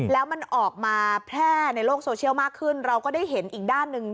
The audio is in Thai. แล้วมันออกมาแพร่ในโลกโซเชียลมากขึ้นเราก็ได้เห็นอีกด้านหนึ่ง